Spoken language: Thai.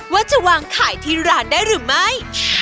ว่าจะวางขายที่ร้านได้หรือไม่